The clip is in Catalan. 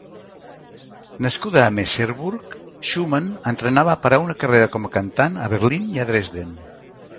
Nascuda a Merseburg, Schumann entrenava per a una carrera com a cantant a Berlín i a Dresden.